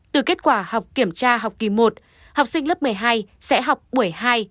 từ kết quả học kiểm tra học kỳ một học sinh lớp một mươi hai sẽ học buổi hai